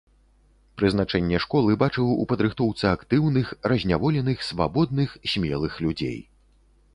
Прызначэнне школы бачыў у падрыхтоўцы актыўных, разняволеных, свабодных, смелых людзей.